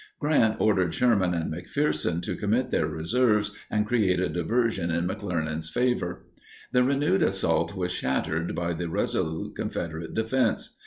Grant ordered Sherman and McPherson to commit their reserves and create a diversion in McClernand's favor. The renewed assault was shattered by the resolute Confederate defense.